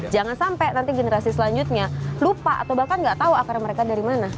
jangan sampai nanti generasi selanjutnya lupa atau bahkan nggak tahu akarnya mereka dari mana